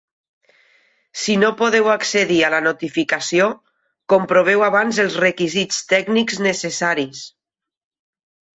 Si no podeu accedir a la notificació, comproveu abans els requisits tècnics necessaris.